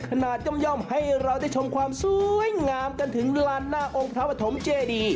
ย่อมให้เราได้ชมความสวยงามกันถึงลานหน้าองค์พระปฐมเจดี